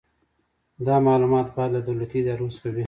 دا معلومات باید له دولتي ادارو څخه وي.